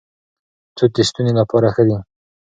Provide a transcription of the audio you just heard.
توت د ستوني لپاره ښه دي.